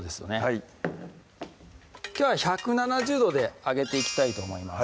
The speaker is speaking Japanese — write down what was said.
はいきょうは１７０度で揚げていきたいと思います